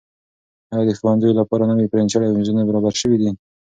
ایا د ښوونځیو لپاره نوي فرنیچر او میزونه برابر شوي دي؟